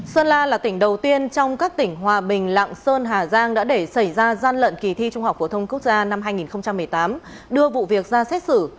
sơn la là tỉnh đầu tiên trong các tỉnh hòa bình lạng sơn hà giang đã để xảy ra gian lận kỳ thi trung học phổ thông quốc gia năm hai nghìn một mươi tám đưa vụ việc ra xét xử